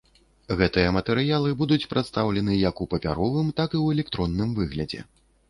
Гэтыя матэрыялы будуць прадстаўлены як у папяровым, так і ў электронным выглядзе.